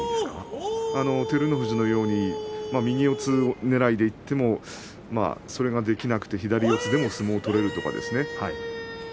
照ノ富士のように右四つねらいでいってもそれができなくて左四つでも相撲が取れるとかですね。